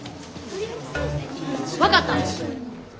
分かった！